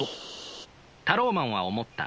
タローマンは思った。